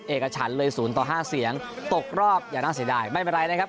เอกฉันเลย๐ต่อ๕เสียงตกรอบอย่าน่าเสียดายไม่เป็นไรนะครับ